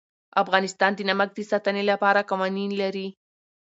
افغانستان د نمک د ساتنې لپاره قوانین لري.